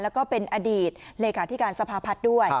แล้วก็เป็นอดีตเลขาธิการสภาพัฒน์ด้วย